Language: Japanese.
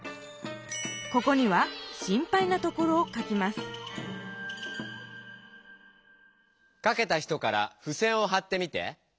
ここには「心配なところ」を書きます書けた人からふせんをはってみて。